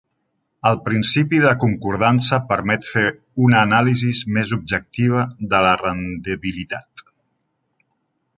El principi de concordança permet fer una anàlisi més objectiva de la rendibilitat.